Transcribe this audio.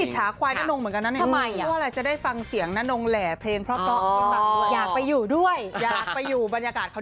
จริงไม่ชอบ